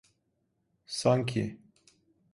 Sanki.